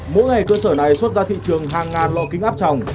mỗi ngày cơ sở này xuất ra thị trường hàng ngàn lo kính áp tròng